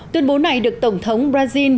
tuyên bố này được tổng thống brazil